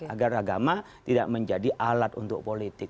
agar agama tidak menjadi alat untuk politik